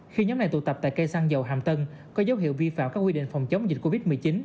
khi nhóm này tụ tập tại cây xăng dầu hàm tân có dấu hiệu vi phạm các quy định phòng chống dịch covid một mươi chín